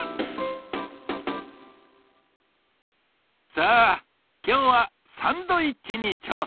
さぁきょうはサンドイッチにちょうせんじゃ。